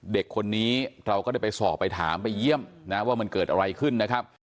เด็กคนนี้เราก็ได้ไปสอบไปถามไปเยี่ยมนะว่ามันเกิดอะไรขึ้นนะครับ